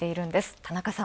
田中さん。